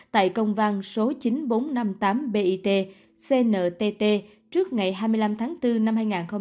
tại công văn số chín nghìn bốn trăm năm mươi tám bit cntt trước ngày hai mươi năm tháng bốn năm hai nghìn hai mươi hai